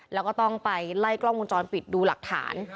แล้วก็ต้องไปไล่กล้องวงจรปิดดูหลักฐาน